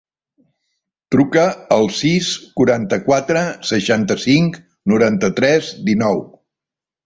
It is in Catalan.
Truca al sis, quaranta-quatre, seixanta-cinc, noranta-tres, dinou.